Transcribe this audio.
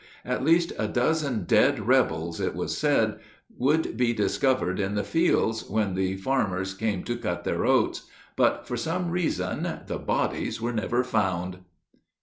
At least a dozen dead rebels, it was said, would be discovered in the fields when the farmers came to cut their oats, but for some reason the bodies were never found.